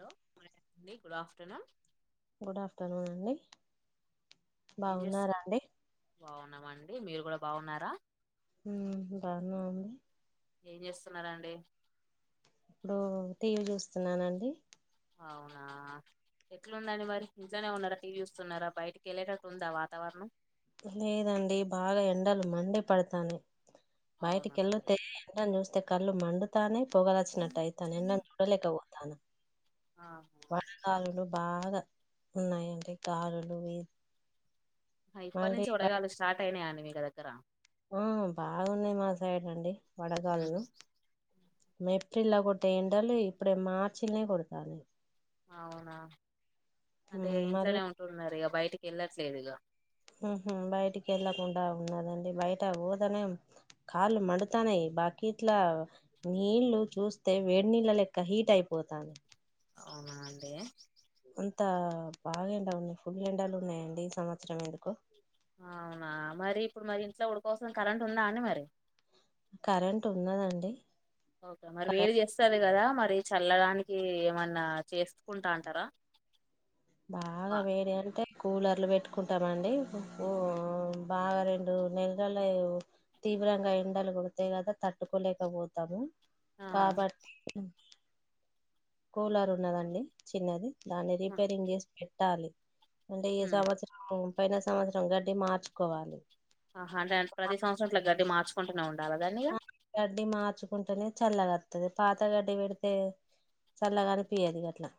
హలోండి good afternoon good afternoon అండి బాగున్నారా అండి బాగున్నావా అండి మీరు కూడా బాగున్నారా బాను అండి ఏం చేస్తున్నారాండి ఇప్పుడు టీవీ చూస్తున్నానండి అవునా ఎట్లుందండి మరి ఇంట్లోనే ఉన్నారా టీవీ చూస్తున్నారా బయటికి వెళ్ళేటట్టు ఉందా వాతావరణం లేదండి బాగా ఎండలు మండి పడతాను అవునా బయటికెల్ తే ఎండని చూస్ తె కళ్ళు మండుతానయి పోగల వచ్చినట్టు అయితే నన్నను చూడలేక [unintelligible] ను [unintelligible] వాన ఆహా కాలంలో బాగా ఉన్నాయండి కారులు ఇప్ప నుంచి వడగాలులు స్టార్ట్ అయినయండి మీకు దగ్గరా ఆ బాగున్నాయి మా సైడ్ అండి వడగాలు ఉమ్. లు ఏప్రిల్లా కొట్టే ఎండలు ఇప్పుడే మార్చిలొ నే కొడతాండయి అవునా అంటే ఉమ్, మళ్ళ ఇంట్లోనే ఉంటుున్నారు ఇక బయట టికి ఎళ్లట్లేదు ఇగ హ బయటికి వెళ్ళకుండా ఉన్నదండి బయట పోతనే కాళ్ళు మండుతానయి బకిట్లా నీళ్లు చూస్తే వేడి నీళ్ళ లెక్క హీట్ అయిపోతానయి అవునా అండి అంత బాగా ఎండ ఉంది ఫుల్ ఎండలు ఉన్నాయండి ఈ సంవత్సరం ఎందుకొ అవునా మరి ఇప్పుడు మరి ఇంట్లో ఉడుకొస్తున్ కరెంట్ ఉందా అండి మరి కరెంట్ ఉన్నదండి ఓకే మరి కరెంట్ వేడి చేస్టాంది కదా మరి చల్లదానికి ఏమన్నా చేసుకుంటా అంటారా బాగా ఆ, వేడి అంటె కూలర్లు పెట్టుకుంటామండి బాగా రెండు నెలలు తీవ్రంగా ఎండలు కొడతాయి కదా తట్టుకోలేకపోతాము ఆ కాబట్టి కూలారు ఉన్నదండి చిన్నది దానిది సరింగ [unintelligible] పెట్టాలి అంటే ఈ ఉమ్, సంవత్సరం పైన సంవత్సరం గడ్డి మార్చుకోవాలి ఆహా అంటే ప్రతి సంవత్సరమట్లా గడ్డి మార్చు కొంటున్నామండి గడ్డి మార్చుకుంటేనే చల్లగా పాత గడ్డి పెడితే చల్లగనిపీయదు గట్లా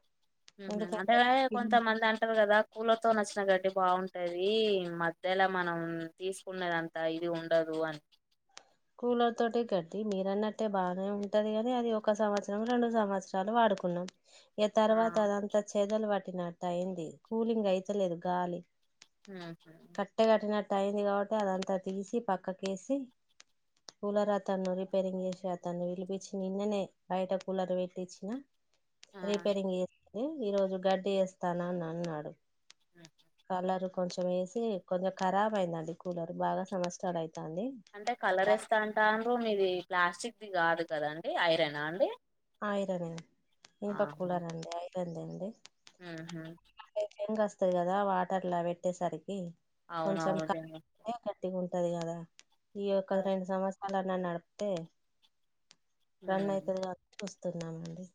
ఉహు అంటే ఎందుకంటే కొంతమంది అంటారు కదా కూలర్తో వచ్చిన గడ్డీ బాగుంటది మధ్యలా మనం తీసుకున్నదంత ఇది ఉండదు అని కూలర్ తోటి గడ్డీ మీరన్నట్టే బాగానే ఉంటది గాని అది ఒక సంవత్సరం రెండు సంవత్సరాలు వాడుకున్నాం ఇక ఆ తర్వాత అదంతా చెదలు పట్టిన అ అయింది కూలింగ్ అయితలేదు గాలి ఉమ్ కట్టగట్టినట్టు అయింది కాబట్టి అదంతా తీసి పక్కకేసి కూలర్ అతాను రిపేరింగ్ చేసి వతాను విలిపించి నిన్ననే బయట కూలర్ పెట్టించిన ఆ రీపేరింగ్ ఏ ఈ రోజు గడ్డి వేస్తానా అని అన్నాడు ఉహు. కలర్ కొంచెం వేసి కొంచెం ఖరాబ్ అయిందండి కూలర్ బాగా సమస్లు అయి అంటే కలర్ ఇస్తా అంటా అూ మీది ప్లాస్టిక్ ఇది కాదు కదండి ఐరనా అండి ఆయిరవన్ ఇ ప కూడా నండి ఆ తందండి ఆహా ఏంకి వస్తుది కదా వాటర్ లా పెట్టేసరికి కొంచెం అవునవును కరెంట్ గట్టిగా ఉంటది గదా ఈ ఒక్క రెండు సంవత్సరాల నన్నడుక్ తే రన్న్ ఐతది [inaudible] తున్నామండి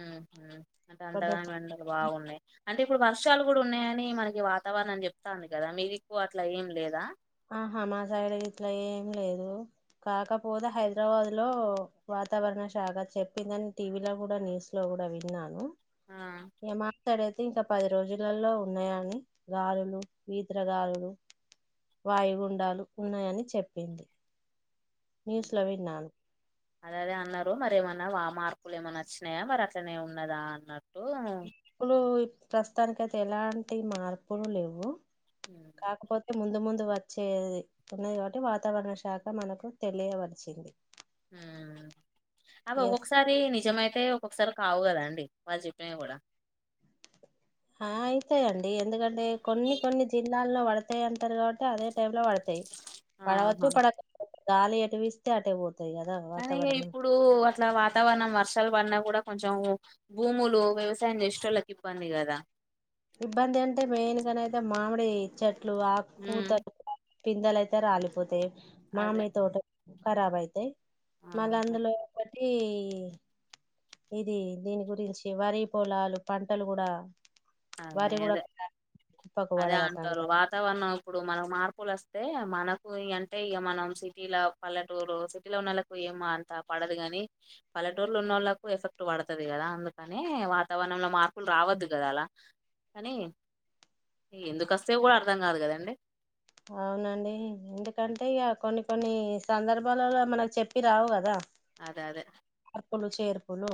ఊహూ అంటే అంతగానం ఎండలు బాగున్నాయి అంటే ఇప్పుడు వర్షాలు కూడా ఉన్నాయని మనకి వాతావరణం చెప్తాంది కదా మీదిక్కువ అట్లా ఏం లేదా ఆహా మా సైడ్ గిట్లా ఏం లేదు కాకపోతే హైదరాబాద్ లో వాతావరణ శాఖ చెప్పిందని టీ వీ లో కూడా న్యూస్ లో కూడా విన్నాను ఆ ఇక్కడయితే ఇంక పది రోజులలో ఉన్నాయని గారులు ఈదర గాలులు వాయుగుండాలు ఉన్నాయని చెప్పింది న్యూస్ లో విన్నాను అదదే అన్నారు మరి ఏమన్నా వా మార్కులు ఏమైన్నా వచ్చినాయా మరి అట్లనే ఉన్నదా అన్నారు పులు ఈ ప్రస్తుతానికి అయితే ఎలాంటి మార్పులు లేవు కాకపోతే ముందు ముందు వచ్చేది ఉన్నది కాబట్టి వాతావరణ శాఖ మనకు తెలియవలసింది అబ ఎస్ ఒక్కొసారి నిజమైతే ఒక్కొక్కసారి కావు కదా అండి వాళ చెప్పినవి కూడా ఆ అయితాయిండి ఎందుకంటే కొన్ని కొన్ని జిల్లాల్లో పడతాయి అంటారు కాబట్టి అదే టై లో పడతాయి పడవచ్చూ ఆహా పడ గాలి ఎట వస్తే అటే పో అనీ ఇప్పుడు అట్లా వాతావరణం వర్షాలు పడిన కూడా కొంచం భూములు వ్యవసాయం చేష్టోళ్ళకి ఇబ్బంది కదా ఇబ్బంది అంటే మెయిన్గానైతే మామిడి ఇచ్చట్ ఇలు ఆ ఉమ్ పూతర పిందలయితే రాలిపోతాయి అదే మామియ తోట రాబ్ అయితే ఆ మాగా అందులో ఏ ఇది దీని గురించి వరి పొలాలు పంటలు కూడా వరి అదే కూడా అదే కుప్పకు అదే పడదట అంటారు వాతావరణం ఇప్పుడు మనం మార్పు మపుల్ వస్తే మనకు అంటే ఇక మనం సిటీలో పల్లెటూరు సిటీలో ఉన్న వాళ్ళలకు ఏమ అంత పడదు కాని పల్లెటూర్లో ఉన్న వాళ్ళకు ఎఫెక్ట్ పడతుది కదా అందుకని వాతావరణంలో మార్పులు రావద్దు కదా అలా కానీ ఎందుకు వస్తేవి కూడా అర్థం కాదు కదండి అవునండి ఎందుకంటే ఇక కొన్ని కొన్ని సందర్భాలలో మనకు చెప్పి రావు కదా అద అదే అర్పోలు చేర్పోలు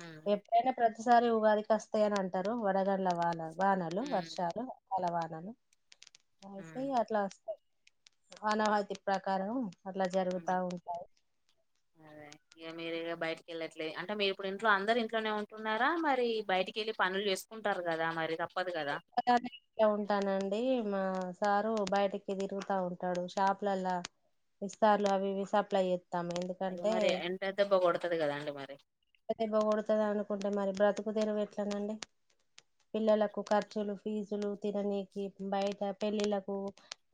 ఉమ్, ఎప్పుడైనా ప్రతి ఒకసారి ఉగాదికి వస్తాయ అని అంటారు వడగండ్ల వాళ్రాల వానలు ఉమ్, వర్షాలు లవాలను ఉమ్, అయితేయి అట్లా వస్తాయి అనాహతి ప్రకారం అట్లా ఉమ్, జరుగుతా ఉంటాయి అదే ఇక మీరు బయటికి వెళ్ళట్లే అంటే మీరు ఇప్పుడు ఇంట్లో అందరు ఇంట్నే ఉంటున్నారా మరి బయటికిళ్ళి పనులు చేసుకుంటారు కదా మరి తప్ప ఉంటానండి మా స బయటికి తిరుగుతా ఉంటాడు షాపులలా విస్తార్లు అవి సప్లై ఏం అయ్యో ఎందుకంటే మరి ఎండ దెబ్బ కొడుతది కదండి మరి ఇవ్వకడుతుంది అనుకుంటే మరి బ్రతుకు కుదరు ఎట్లానండి పిల్లలకు ఖర్చులు ఫీజులు తినడానికి బయట పెళ్ళిలకు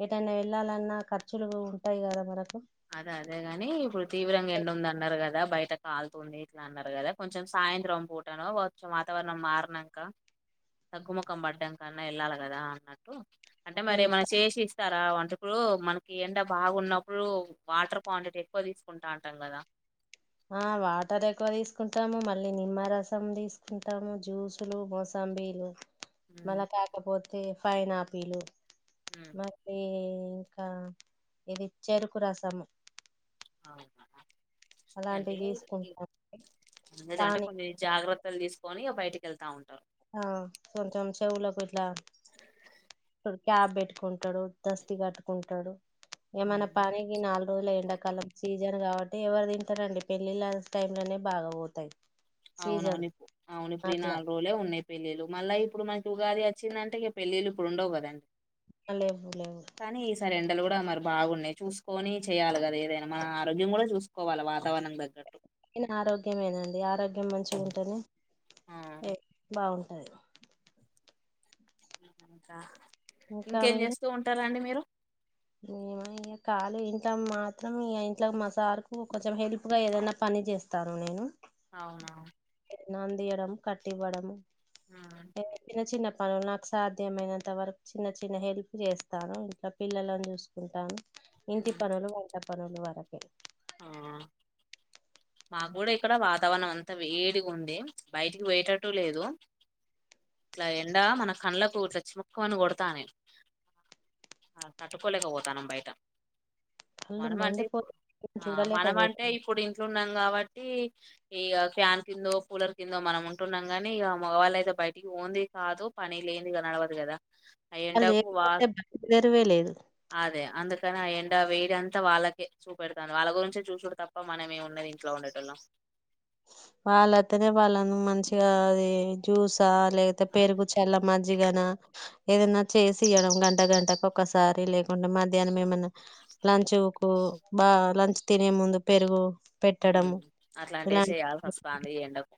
ఏదైనా వెళ్ళాలన్నా ఖర్చులు ఉంటాయి కదా మనకు అదే అదేగాని ఇప్పుడు తీవ్రంగా ఎండు ఉంది అన్నారు కదా బయట కాల్తుంది ఇట్లా అన్నారు కదా కొంచెం సాయంత్రం పూటను కొం వాతావరణం మారినక తగ్గుముఖం పడ్డాకన్నా వెళ్ళాలి కదా అన్నట్టు అంటే మరి ఏమై చేసి ఇస్తారు లా వంటకుడు మనకి ఎండ బాగున్నప్పుడు వాటర్ క్వాంటిటీ ఎక్కువ తీసుకుంటా ఉంటాం కదా ఆ వాటర్ ఎక్కువ తీసుకుంటాము మళ్ళీ నిమ్మరసం తీసుకుంటాము జ్యూసులు మోసాంబీలు మన ఉమ్, తకాపో ఫైన్ పిలు ఉమ్, మత్తే ఇంకా ఇది చేరుకు రాసాము అవును అంటేదంటే తీసుకుంటాం పానీ కొన్ని జాగ్రత్తలు తీసు పోని బయటకి వెళ్తా ఉంట ఆ కొంచెం చెవులకు క్యాబ్ ఇట్టుకుంటు డు దష్టి కట్టుకుంటాడు ఏమైన్నా ఉమ్, పనికి నాలుగు రోజుల ఎండాకాలం సీజన్ కాబట్టి ఎవరు తింటారండి పెళ్ళిళ్ళ టైమ్ లోనే బాగా పోతాయి సీజన్ అవునవుని అవును ఇప్పుడు ఈ అట్లా నాలుగు రోజులే ఉన్నాయి పెళ్ళళ్ళలు మళ్ళ ఇప్పుడు మకి ఉగాది వచ్చిందంట ఇక పెళ్ళళ్ళ ఇడుండవు కదండి లేవు లేవు సారి ఎండలు కూడా మరి బాగున్నాయి చూసుకొని చేయాలి కదా ఏదైనా మన ఆరోగ్యం కూడా చూసుకోవాలి వాతావరణం తగ్గట్టు [inaudible] నా ఆరోగ్యమేనండి ఆరోగ్ ఏ మంచిగుంటది ఆ ఏ బావున్ తా ఇంకేం చేస్తూ ఉంటారండి మీరు ఈమ ఇగ కాలు ఇంట్లో మాత్రం ఇయ ఇంట్లో మా సార్ కు కొంచెం హెల్ప్ గా ఏదైనా పని చేస్తాను నేను అవునా నాందీయడం కట్టివ్వడము ఉమ్. ఏ చిన్న చిన్న పరు నాకు సాధ్యమైనంత వరకు చిన్న చిన్న హెల్ప్ చేస్తాను ఇంట్లా పిల్లలను చూసుకుంటాను ఇంటి పనులు వంట పనులు వ ఓకే ఆ మాకు కూడా ఇక్కడ వాతావరణం అంతా వేడిగుంది బయటికి పియేటట్టు లేదు ఇట్లా ఎండా మన కండ్లకు ఇట్లా చిముక్కుమని కొడతానయి ఆ తట్టుకోలేకపోతానాం బయట కళ్లు మనం అంటే మండిపో ఇప్పుడు [inaudible] ఆ మనం అంటే ఇప్పుడు ఇంట్లున్నాం కాబట్టి ఈ ఇగ ఫ్యాన్ కిందో కూలర్ కిందో మనం ఉంటున్నాం కాని ఇగ మగవాళ్ళ అయితే బయటికి ఓంది కాదు పని లేంది ఇగ నడవదు కదా ఆ వాళ్ళు ఎంండకు వా లేకపోతే బయలుదేరువే లేదు అదే అందుకని ఆ ఎ వేరంత వాళ్ళకే చూ పెడతాను వాళ్ళ గురించే చూసుడు తప్ప మనం ఏమిన్నది ఇంట్లో ఉండేటంలో వాళ్ళ అతనే వాళ్ళను మంచిగా అది జ్యూసా లేకతే పెరుగు చల్ల మ్రీగన ఏదన్నా చేసియడం గంట గంటకు ఒక్కసారి లేకుంటే మధ్యాహ్నం ఏమన్నా లంచ్ కు బా లంచ్ తినే ముందు పెరుగు పెట్టడము మ్మ్ అట్లాంటి ఏసె ఇలాంటి యాల్ సస్తాంది ఈ ఏండకు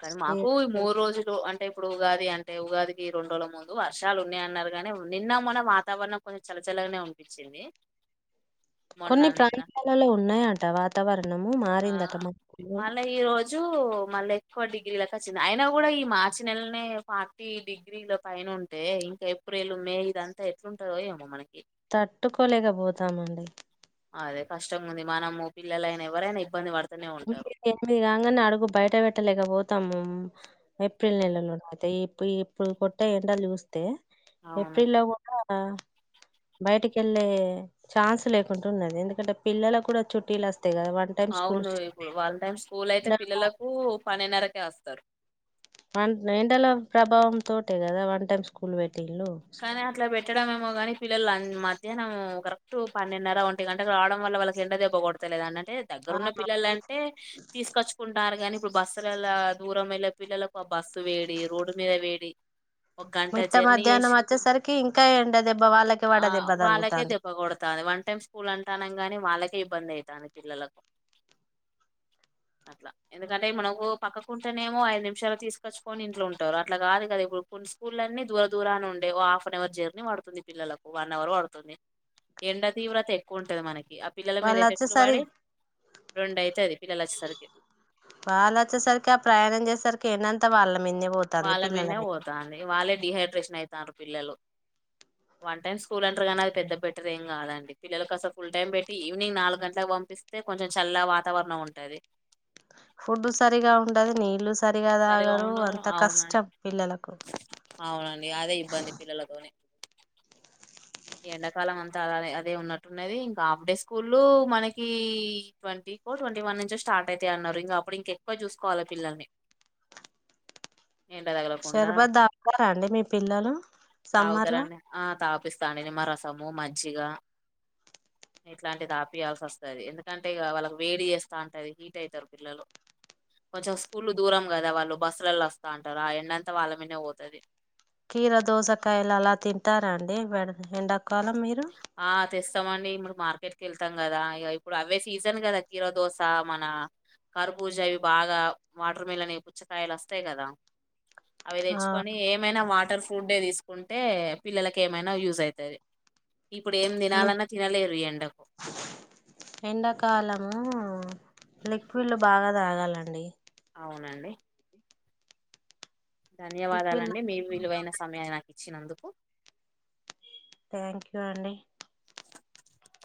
కానీ మాకు మూ రోజులు అం టే ఇప్పుడు ఉగాది అంటే ఉగాదికి రెండు రోళ్ ముందు వర్షాలు ఉన్నయ్ అన్నరు గానీ నిన్న మొన్న వాతావరణం కొంచెం చల్లచల్లగానే ఉనిపిచింది. కొన్ని ప్రాంతాలలో ఉన్నాయ ట వాతవర ఆ మళ్ళా ఈ రోజు మళ్ళీ ఎక్కువ డిగ్రీలకు వచ్చింది, అయినా కూడా ఈ మార్చి నెలనే ఫార్టీ డిగ్రీల పైన ఉంటే ఇంకా ఏప్రిల్ మే ఇదంతా ఎట్లుంటందో ఏమో మనకి తట్టుకోలేకపోతామండి అదే కష్టంగుంది మనము పిల్లలైనా ఎవ్వరైనా ఇబ్బంది పడు మళ్లీ ఎనిమిది కాంగానే అడుగు బయట పెట్టలేక పోతాంము ఏఫ్రిల్ నెల్లలోన ఐతే ఇప్ ఇప్పుడు కొట్టే ఏండల్ జూస్ తే అవును ఏప్రిల్లో గూడా ఆ బయటికి వెళ్ళే ఛాన్స్ లేకుంటూ ఉన్నది ఎందుకంటే పిల్లలకు కూడా చుట్టీలస్ తేగా వన్ టైమ్ స్కూల్ అవును ఇప్పుడు వాళ్ టైం స్కూల్ అయితే ఎండల పిల్లలకు పనిన్నరకె ఎస్తరు వన్ ఎంటలో ప్రభావం తోటే కదా వన్ టైమ్ స్కూల్ వె కానీ అట్లా పెట్టడం మె మో కానీ పిల్లలు అన్ మధ్యాహ్నం కరెక్ట్ పన్నెండున్నర ఒంటి గంటకి రావడం వల్ల వాళ్ళకి ఎండ దెబ్బ కొడతలేదన్న న్ ఎ ఆ ఏదగ్గరున్న పిల్లలు అంటే తీసుకొచ్చుకుంటారు కాని ఇప్పుడు బస్సులల్లా దూరం వెళ్ళే పిల్లలకు ఆ బస్సు వేడి రోడ్డు మీద వేడి ఒక గంట మిట్ట జర్నీయేష్ మధ్యాహ్నం వచ్చేసరికి ఇంకా ఎండ దెబ్బ వాళ్ళకి ఆ వడ దెబ్బ వాళ్ళకే తలుగుతాంది దెబ్బకొడతాది వన్ టైమ్ స్కూల్ అంటనం గాని వాళ్ళకే ఇబ్బంది అవుతాను పిల్లలకు అట్ల ఎందుకంటే మనకు పక్కకుంటేనేమో ఐదు నిమిషాలు తీసుకొచ్చుకొని ఇంట్లో ఉంటారు అట్లా కాదు కదా ఇప్పుడు కొన్ని స్కూల్ అన్ని దూర దూరాన్నే ఉన్ హాఫ్ అన్ అవర్ జర్నీ పడుతుంది పిల్లలకు వన్ అవర్ పడుతుంది ఎండ తీవ్రత ఎక్కువ ఉంటది మన వాళ్ళొచ్చేసరి రెండు అయితది పిల్లలు వచ్చేసరికి వాళ్ళ వచ్చేసరికి ఆ ప్రయాణం చేసరికి ఎనన్ త్త వాల్లెం మీందికి వోతాంది వాళ్ళ పిల్లల మీదనే మీదికి పోతాంది వాళ్ళే డిహైడ్రేషన్ అవుతున్నారు పిల్లలు వన్ టైమ్ స్కూల్ అంటారు కానీ అది పెద్ద బెటర్ ఏం కాదండి పిల్లలలకు అసలు ఫుల్ టైం పెట్టి ఈవినింగ్ నాలుగు గంటలకు పంపిస్తే కొంచెం చల్ల వాతావరణం ఉంటుంది ఫుడ్ సరిగా ఉండది నీళ్ళు సరిగా ఉండ అవునం పిల్లలకు అవునండి అదే ఇబ్బంది పిల్లలతోనే ఎండాకాలం అంతా అలా అదే ఉన్నట్టున్నది ఇంకా హాఫ్ డే స్కూల్లు మనకి ట్వంటీ కో ట్వంటీ వన్ నుంచో స్టార్ట్ అయితాయి అన్నారు ఇంకా అప్పుడు ఇంకెక్కువ చూసుకోవాలి పిల్లల్ని ఎండ తగలకుండా అక్షరాబాద్ దాతారా అండి మీ పిల్లలు సమ్మర్ లో స్తా నిమ్మ రసము మజ్జిగ ఇట్లాంటిది ఆపియాల్సి వస్తుంది ఎందుకంటే ఇక వాళ్ళకి వేడి చేస్తా ఉంటది హీట్ అవుతారు పిల్లలు కొంచెం స్కూల్లు దూరం కదా వాళ్ళు బస్సులలో వస్తా ఉంటారు ఆ ఎండంతా వాళ్ళ మీద పోతుంది కీర దోసకాయలు అలా తింటారంాండి ఎండ ఒక కాలం మీరు ఇస్తామండి ఇప్పుడు మార్కెట్ క వెళ్తాం కదా ఇ ఇప్పుడు అవే సీజన్ కదా కీరో దోశ మన కర్బూజ అవి బాగా వాటర్ మిలన్వి పుచ్చకాయలు వస్తాయి కదా అవి ఆ తెచ్చుకొని ఏమైనా వాటర్ ఫుడ్ తీసుకుంటే పిల్లలకి ఏమైనా యూజ్ అవుతంది ఇప్పుడు ఏం లి తినాలన్నా తినలేరు ఈ ఎండకు ఎండాకాలము లిక్విడ్లు బాగా తాగాలండి అవునండి లిక్విడ్ ధన్యవాదాలండి మీ విలువైన సమయా నాకు వచ్చినందుకు థ్యాంక్ యూ అండి